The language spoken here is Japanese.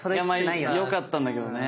いやまあよかったんだけどね。